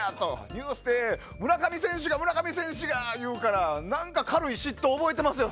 ニュースで村上選手が村上選手がって言うから何か軽い嫉妬を覚えてますよ